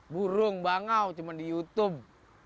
burung bangau cuma di youtube